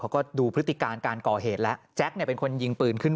เขาก็ดูพฤติการการก่อเหตุแล้วแจ๊คเนี่ยเป็นคนยิงปืนขึ้น